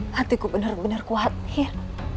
hatiku benar benar khawatir